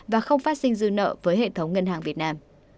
và không phát sinh dư nợ với hệ thống ngân hàng việt nam